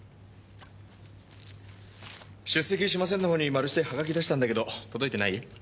「出席しません」のほうにマルしてハガキ出したんだけど届いてない？